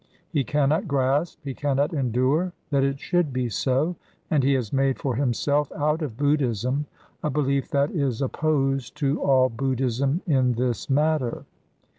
He cannot grasp, he cannot endure that it should be so, and he has made for himself out of Buddhism a belief that is opposed to all Buddhism in this matter.